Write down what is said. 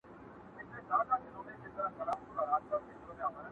وجود شراب شراب نشې نشې لرې که نه.